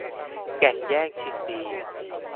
แก่งแย่งชิงดี